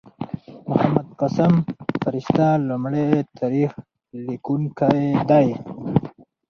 محمد قاسم فرشته لومړی تاریخ لیکونکی دﺉ.